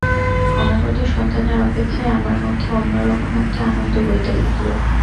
অনাগত সন্তানের অপেক্ষায় আমার মধ্যে অন্য রকম একটা আনন্দ বইতে থাকল।